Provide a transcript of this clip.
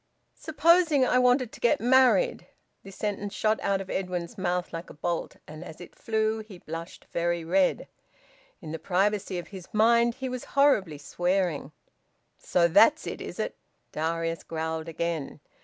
"Supposing I wanted to get married?" This sentence shot out of Edwin's mouth like a bolt. And as it flew, he blushed very red. In the privacy of his mind he was horribly swearing. "So that's it, is it?" Darius growled again.